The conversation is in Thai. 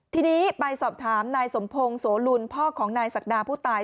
ทีนี้ไปสอบถามนายสมพงศ์โสลุลพ่อของนายศักดาผู้ตาย